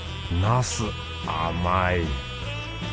なす甘い。